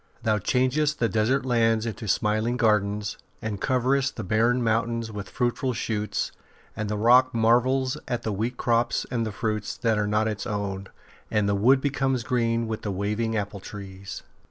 '' Thou changest the desert lands into smiling gardens, and coverest the barren mountain with fruitful shoots, and the rock marvels at the wheat crops and the fruits that are not its own, and the wood becomes green with waving apple trees."